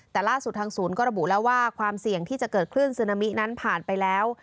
แต่ล่าสุดทางศูนย์ก็ระบุแล้วว่าความเสี่ยงที่จะเกิดคลื่นซึนามินั้นผ่านไปแล้ว